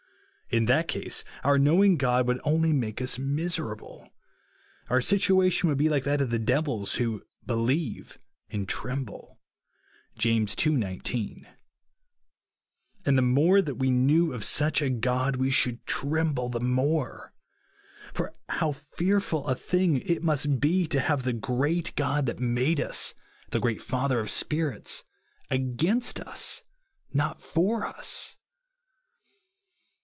In that case our knowing God would only make us miserable. Our situation would be like that of the devils, who "believe and tremble" (James ii. 19) ;. and the more that we knew of such a God, we should tremble the more. For how feai'ful a thing must it be to have the great God that made us, the 28 god's character great Father of Spirits, against us, not for us